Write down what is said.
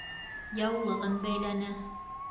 Яулығын бәйләне.